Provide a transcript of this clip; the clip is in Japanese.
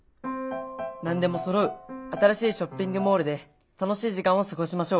何でもそろう新しいショッピングモールで楽しい時間を過ごしましょう。